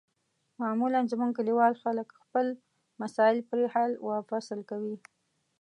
معمولا زموږ کلیوال خلک خپل مسایل پرې حل و فصل کوي.